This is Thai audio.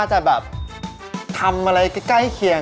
ท่างทำแขน